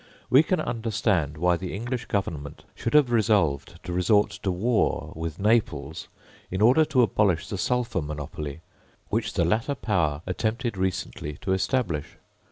we can understand why the English Government should have resolved to resort to war with Naples, in order to abolish the sulphur monopoly, which the latter power attempted recently to establish.